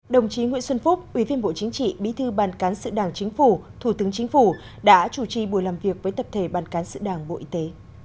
đồng chí nguyễn xuân phúc ủy viên bộ chính trị bí thư ban cán sự đảng chính phủ thủ tướng chính phủ đã chủ trì buổi làm việc với tập thể ban cán sự đảng bộ y tế